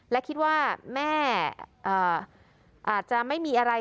และคิดว่าแม่อาจจะไม่มีอะไร